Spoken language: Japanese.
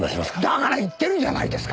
だから言ってるじゃないですか！